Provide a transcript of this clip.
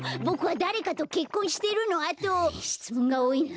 しつもんがおおいな。